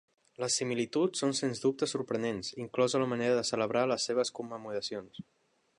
Les similituds són sens dubte sorprenents, inclosa la manera de celebrar les seves commemoracions.